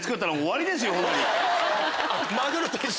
マグロと一緒！